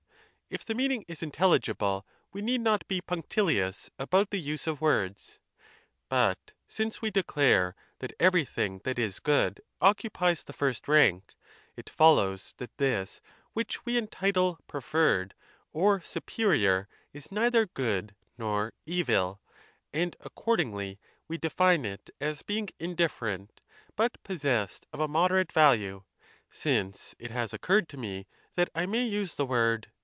If the meaning is intel li^ble «e need not be punctilious about the use of 53 words. But since we declare that everything that is good occupies the first nuik. it follows that this which we entitle preferred or superior is neither good nor evil ; and accordingly we define it as being indifferent but possessed of a moderate value — since it has occurred to me that I maj use the word